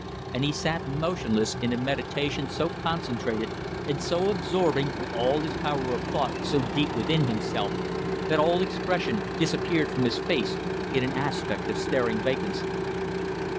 And he sat motionless in a meditation so concentrated and so absorbing, with all his power of thought so deep within himself, that all expression disappeared from his face in an aspect of staring vacancy.